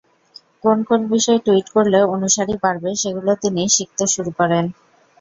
কোন কোন বিষয় টুইট করলে অনুসারী বাড়বে, সেগুলো তিনি শিখতে শুরু করেন।